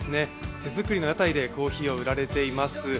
手作りの屋台でコーヒーを売られています。